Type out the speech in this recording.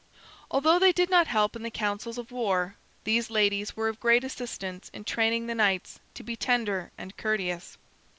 Although they did not help in the councils of war, these ladies were of great assistance in training the knights to be tender and courteous.